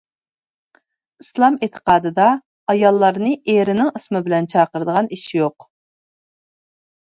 ئىسلام ئېتىقادىدا ئاياللارنى ئېرىنىڭ ئىسمى بىلەن چاقىرىدىغان ئىش يوق.